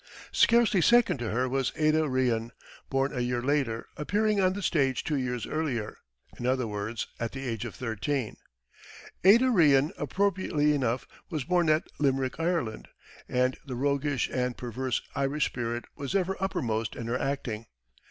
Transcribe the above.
Scarcely second to her was Ada Rehan, born a year later, appearing on the stage two years earlier, in other words, at the age of thirteen. Ada Rehan, appropriately enough, was born at Limerick, Ireland, and the roguish and perverse Irish spirit was ever uppermost in her acting.